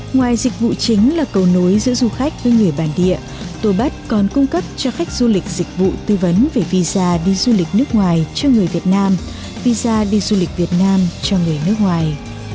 ngoài dịch vụ chính là cầu nối giữa du khách với người bản địa tô bắt còn cung cấp cho khách du lịch dịch vụ tư vấn về visa đi du lịch nước ngoài cho người việt nam visa đi du lịch việt nam cho người nước ngoài